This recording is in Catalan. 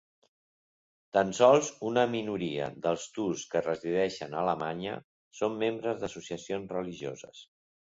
Tan sols una minoria dels turcs que resideixen a Alemanya són membres d'associacions religioses.